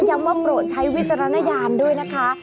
ย้ำว่าโปรดใช้วิจารณญาณด้วยนะคะ